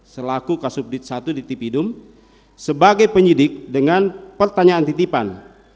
selaku kasubdit satu di tipidum sebagai penyidik dengan pertanyaan titipan